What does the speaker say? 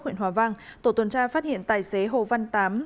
huyện hòa vang tổ tuần tra phát hiện tài xế hồ văn tám